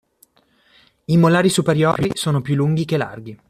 I molari superiori sono più lunghi che larghi.